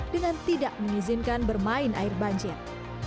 dengan tidak mengizinkan bermain air banjir